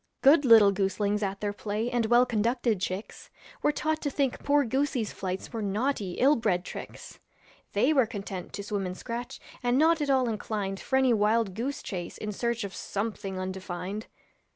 Good little goslings at their play And well conducted chicks Were taught to think poor goosey's flights Were naughty, ill bred tricks. They were content to swim and scratch, And not at all inclinded For any wild goose chase in search Of something undefined.